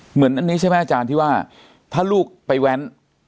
เหมือนอันนี้ใช่ไหมอาจารย์ที่ว่าถ้าลูกไปแว้น